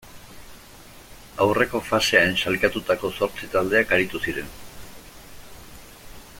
Aurreko fasean sailkatutako zortzi taldeak aritu ziren.